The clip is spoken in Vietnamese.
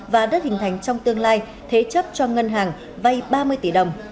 và đất hình thành trong tương lai thế chấp cho ngân hàng vay ba mươi tỷ đồng